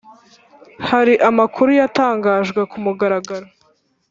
hari amakuru yatangajwe ku mugaragaro